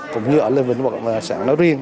cũng như ở lê vĩnh bộ cộng sản nói riêng